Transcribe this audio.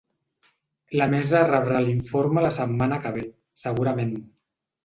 La mesa rebrà l’informe la setmana que ve, segurament.